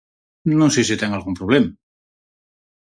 Non sei se ten algún problema.